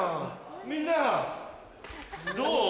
みんなどう？